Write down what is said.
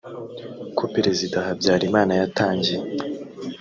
ko perezida habyarimana yatangiye